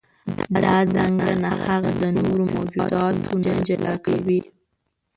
دا ځانګړنه هغه د نورو موجوداتو نه جلا کوي.